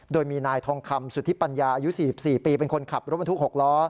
โดยมีนายทองคำสุธิปัญญาอายุ๔๔ปีเป็นคนขับรถบรรทุก๖ล้อ